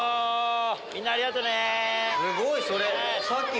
みんなありがとね。